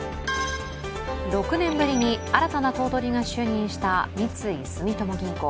６年ぶりに新たな頭取が就任した三井住友銀行。